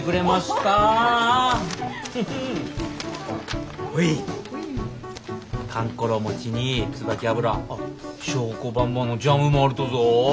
かんころ餅に椿油あっ祥子ばんばのジャムもあるとぞぉ。